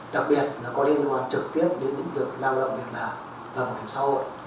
đặc biệt là có liên quan trực tiếp đến những việc lao động việc làm và bảo hiểm xã hội